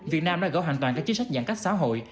việt nam đã gỡ hoàn toàn các chính sách giãn cách xã hội